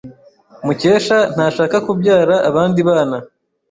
Mukesha ntashaka kubyara abandi bana.